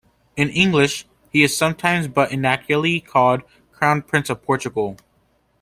In English, he is sometimes, but inaccurately, called "Crown Prince of Portugal".